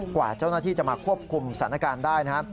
กว่าเจ้าหน้าที่จะมาควบคุมสถานการณ์ได้นะครับ